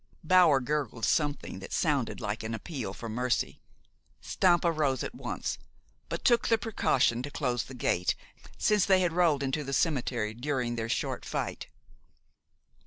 Bower gurgled something that sounded like an appeal for mercy. Stampa rose at once, but took the precaution to close the gate, since they had rolled into the cemetery during their short fight.